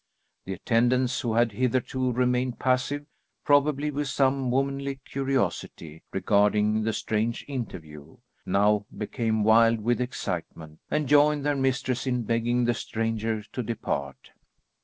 The attendants, who had hitherto remained passive, probably with some womanly curiosity regarding the strange interview, now became wild with excitement, and joined their mistress in begging the stranger to depart.